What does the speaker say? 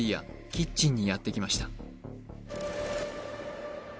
キッチンにやってきました